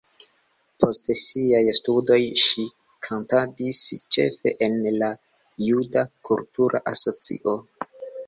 Post siaj studoj ŝi kantadis ĉefe en la juda kultura asocio.